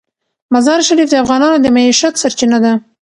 مزارشریف د افغانانو د معیشت سرچینه ده.